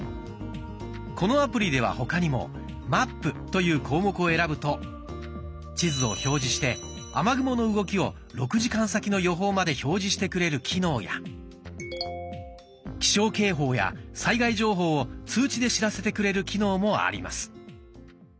このアプリでは他にも「マップ」という項目を選ぶと地図を表示して雨雲の動きを６時間先の予報まで表示してくれる機能や気象警報や災害情報を通知で知らせてくれる機能もあります。